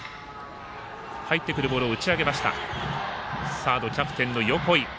サード、キャプテンの横井。